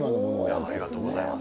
ありがとうございます。